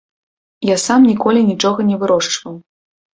Я сам ніколі нічога не вырошчваў.